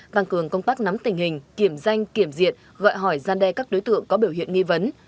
tăng cường công tác nắm tình hình kiểm danh kiểm diệt gọi hỏi gian đe các đối tượng có biểu hiện nghi vấn